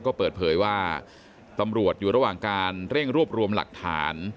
ก็เปิดเผยว่าตำรวจอยู่ระหว่างการเร่งรวบรวมหลักฐาน